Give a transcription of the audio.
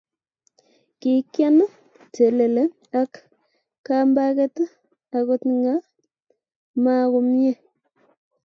kikyan telele ak kambaket akot ngan mo komie